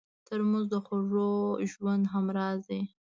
ترموز د خوږ ژوند همراز دی.